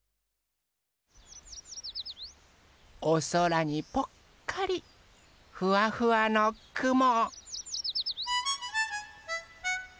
おそらにぽっかりふわふわのくも。